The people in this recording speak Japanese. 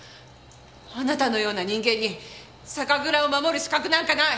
あなたのような人間に酒蔵を守る資格なんかない！